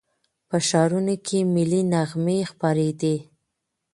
په ښارونو کې ملي نغمې خپرېدې.